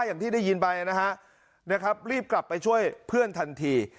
อย่างที่ได้ยินไปนะฮะนะครับรีบกลับไปช่วยเพื่อนทันที